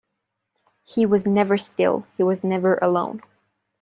He was never still, he was never alone.